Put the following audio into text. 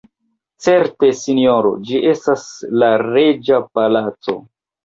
Certe sinjoro, ĝi estas la reĝa palaco.